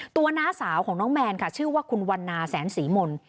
น้าสาวของน้องแมนค่ะชื่อว่าคุณวันนาแสนศรีมนต์